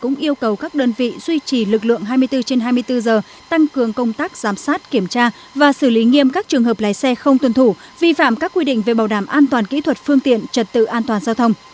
ngoài xử lý về mặt hành chính các thanh thiếu niên vi phạm vi phạm vi phạm các quy định về bảo đảm an toàn kỹ thuật phương tiện trật tự an toàn giao thông